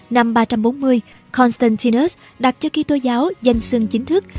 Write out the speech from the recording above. năm ba trăm bốn mươi constantinus đặt cho kỹ tô giáo danh sương chính thức